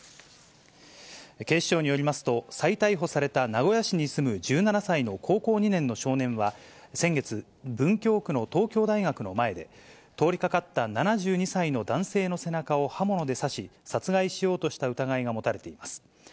警視庁によりますと、再逮捕された名古屋市に住む１７歳の高校２年の少年は、先月、文京区の東京大学の前で、通りかかった７２歳の男性の背中を刃物で刺し、殺害しようとした疑いが持たれています。